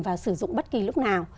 và sử dụng bất kỳ lúc nào